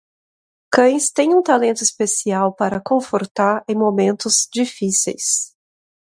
Cães têm um talento especial para confortar em momentos difíceis.